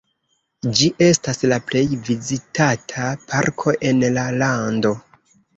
Ĝi estas la plej vizitata parko en la lando.